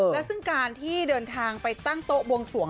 และซึ่งการที่เดินทางไปตั้งโต๊ะบวงสวง